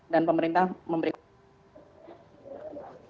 dan pemerintah memberikan